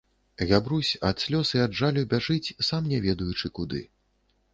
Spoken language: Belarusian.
Габрусь ад слёз i ад жалю бяжыць, сам не ведаючы куды.